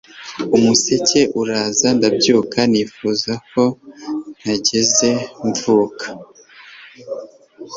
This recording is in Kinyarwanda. umuseke uraza ndabyuka nifuza ko ntigeze mvuka